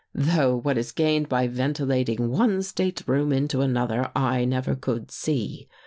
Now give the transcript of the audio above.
Though what is gained by ventilating one stateroom into another, I never could see.